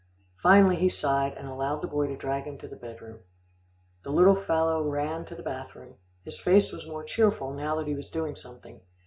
Finally he sighed, and allowed the boy to drag him to the bed room. The little fellow ran to the bath room. His face was more cheerful, now that he was doing something.